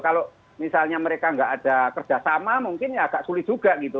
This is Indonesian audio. kalau misalnya mereka nggak ada kerjasama mungkin ya agak sulit juga gitu